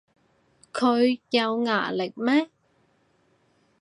佢有牙力咩